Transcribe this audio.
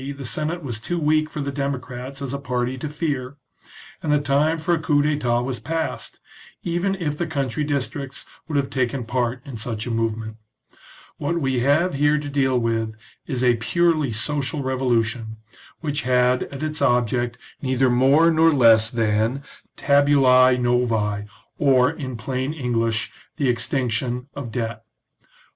the Senate was too weak for the democrats as a party to fear, and the time for a coup d'etat was past, even if the country districts would have taken part in such a movement. What we have here to deal with is a purely social revolution, which had as its object neither more nor less than " tabulae novael' or, in plain English, the extinction of debt.